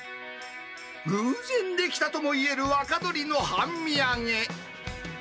偶然できたとも言える若鶏の半身揚げ。